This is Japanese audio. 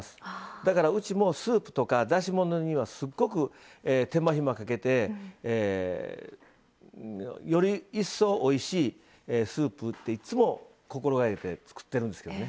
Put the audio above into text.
だから、うちもスープとかだしものにはすっごく手間ひまかけてより一層、おいしいスープというのを心がけて作ってるんですね。